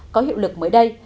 có hiệu lực mới đây